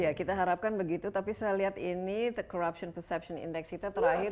ya kita harapkan begitu tapi saya lihat ini the corruption perception index kita terakhir